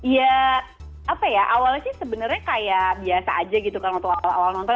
ya apa ya awalnya sih sebenarnya kayak biasa aja gitu kan waktu awal awal nonton